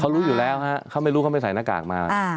รู้อยู่แล้วฮะเขาไม่รู้เขาไม่ใส่หน้ากากมา